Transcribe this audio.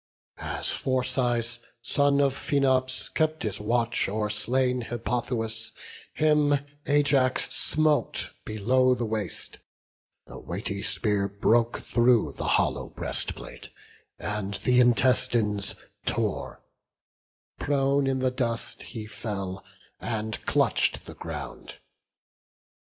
As Phorcys, son of Phaenops, kept his watch O'er slain Hippothous, him Ajax smote Below the waist; the weighty spear broke through The hollow breastplate, and th' intestines tore; Prone in the dust he fell, and clutch'd the ground.